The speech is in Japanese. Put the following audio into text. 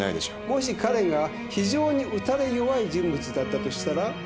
もし彼が非常に打たれ弱い人物だったとしたら？